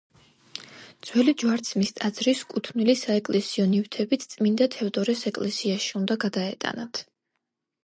ძველი ჯვარცმის ტაძრის კუთვნილი საეკლესიო ნივთებიც წმინდა თევდორეს ეკლესიაში უნდა გადაეტანათ.